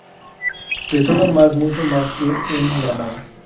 De todo, más mucho más que en Granada.